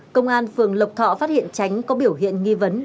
công an phường lộc thọ phát hiện tránh có biểu hiện nghi vấn